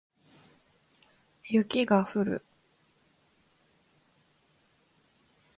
雪が降る